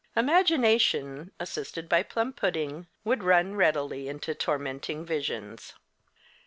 Imagination, assisted by plum pudding, would run readily into tormenting visions.